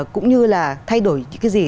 cũng như là thay đổi những cái gì